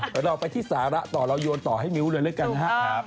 เดี๋ยวเราไปที่สาระต่อเราโยนต่อให้มิ้วเลยแล้วกันนะครับ